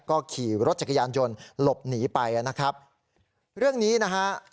ก็ขี่รถจักรยานยนต์หลบหนีไปนะครับเรื่องนี้นะฮะ